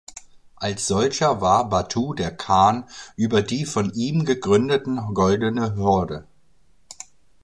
Als solcher war Batu der Khan über die von ihm gegründeten Goldene Horde.